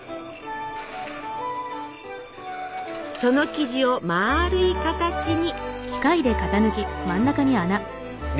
その生地をまあるい形に。